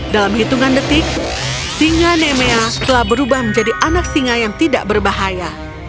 dalam hitungan detik singa nemea telah berubah menjadi anak singa yang tidak berbahaya